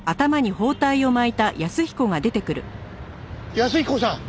安彦さん！